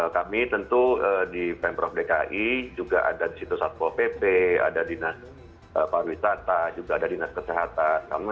kami tentu di pemprov dki juga ada di situ satpo pp ada di nas parwisata juga ada di nas kesehatan